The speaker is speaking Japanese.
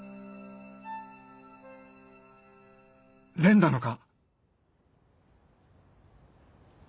蓮なのか？